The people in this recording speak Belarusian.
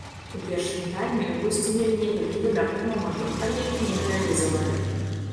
У першым тайме госці мелі некалькі выдатных момантаў, але іх не рэалізавалі.